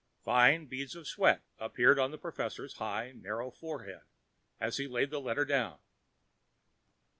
Fine beads of sweat appeared on the professor's high narrow forehead as he laid the letter down.